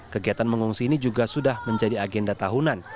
kegiatan mengungsi ini juga sudah menjadi agenda tahunan